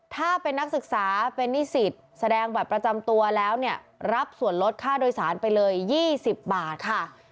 ถ้าเป็นนักศึกษาเป็นนิสิตแสดงบัตรประจำตัวแล้วเนี่ยรับส่วนลดค่าโดยสารไปเลย๒๐บาทค่ะ